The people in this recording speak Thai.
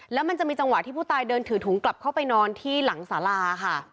แล้วมันจะมีจังหวะที่ผู้ตายเดินถือถุงกลับเข้าไปนอนที่หลังสาราค่ะ